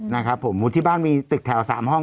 นะครับผมที่บ้านมีตึกแถว๓ห้อง